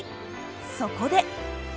そこで！